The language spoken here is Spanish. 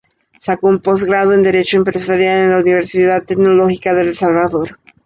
Saco un Posgrado en Derecho Empresarial, en la Universidad Tecnológica de El Salvador.